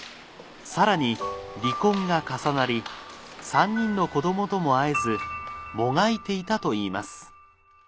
さらに離婚が重なり３人の子どもとも会えずもがいていたといいます。